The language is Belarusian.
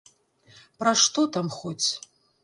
Пра што там хоць?